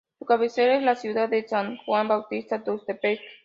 Su cabecera es la ciudad de San Juan Bautista Tuxtepec.